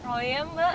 itu diomongin lah ya